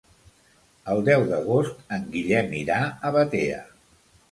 El deu d'agost en Guillem irà a Batea.